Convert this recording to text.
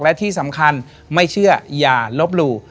และที่สำคัญไม่เชื่ออย่าลบหลู่